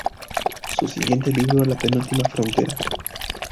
Su siguiente libro, "La penúltima frontera.